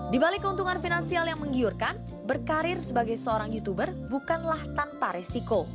di balik keuntungan finansial yang menggiurkan berkarir sebagai seorang youtuber bukanlah tanpa resiko